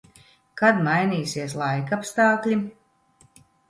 Kad mainīsies laikapstākļi?